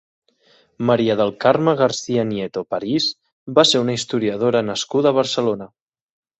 Maria del Carme García-Nieto París va ser una historiadora nascuda a Barcelona.